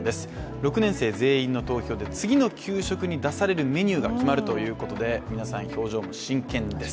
６年生全員の投票で、次の給食に出されるメニューが決まるということで、皆さん、表情も真剣です。